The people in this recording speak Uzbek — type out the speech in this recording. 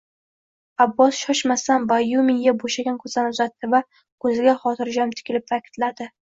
Abbos shoshmasdan Bayyumiga bo`shagan kosani uzatdi va ko`ziga xotirjam tikilib ta`kidladi